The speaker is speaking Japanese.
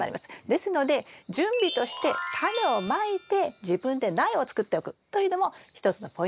ですので準備としてタネをまいて自分で苗を作っておくというのも一つのポイントだと思います。